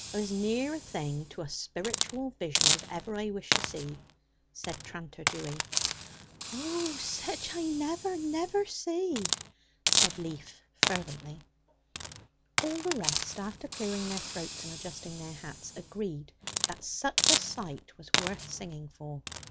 "As near a thing to a spiritual vision as ever I wish to see!" said tranter Dewy. "O, sich I never, never see!" said Leaf fervently. All the rest, after clearing their throats and adjusting their hats, agreed that such a sight was worth singing for.